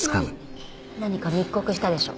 何か密告したでしょ。